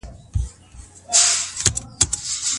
په خلع کي ميرمن ټول مالي لګښتونه ورکوي.